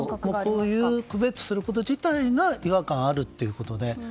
こういう区別すること自体が違和感があるということで。